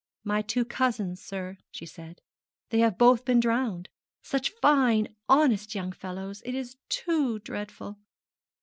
'My two cousins, sir,' she said, 'they have both been drowned. Such fine, honest young fellows. It is too dreadful.'